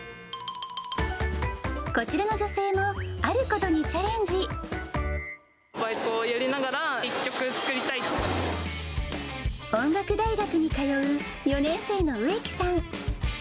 こちらの女性も、あることにチャバイトをやりながら、音楽大学に通う４年生の植木さん。